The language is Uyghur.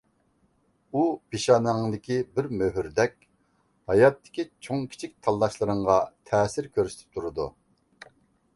ئۇ پېشانەڭدىكى بىر مۆھۈردەك ھاياتتىكى چوڭ كىچىك تاللاشلىرىڭغا تەسىر كۆرسىتىپ تۇرىدۇ.